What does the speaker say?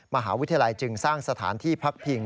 มหาวิทยาลัยจึงสร้างสถานที่พักพิง